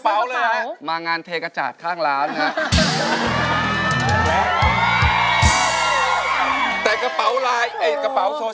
อะมึงกล้องต่างแล้วชอบขโมยของวทีนะ